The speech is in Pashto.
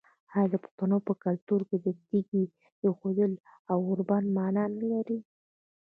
آیا د پښتنو په کلتور کې د تیږې ایښودل د اوربند معنی نلري؟